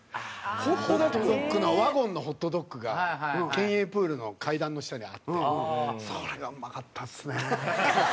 ホットドッグのワゴンのホットドッグが県営プールの階段の下にあってそれがうまかったですね。